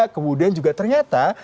kemudian juga ternyata